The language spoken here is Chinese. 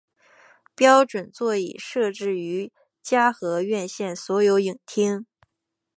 标准座椅设置于嘉禾院线所有影厅。